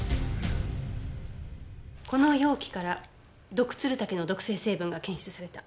この容器からドクツルタケの毒性成分が検出された。